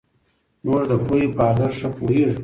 موږ د پوهې په ارزښت ښه پوهېږو.